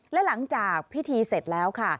และหลังจากพิธีเสร็จแล้วค่ะ